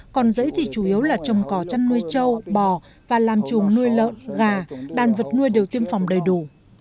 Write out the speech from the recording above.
còn dãy thì chủ yếu là trồng cỏ chăn nuôi trâu bò và làm chùm nuôi lợn gà đàn vật nuôi đều tiêm phòng đầy đủ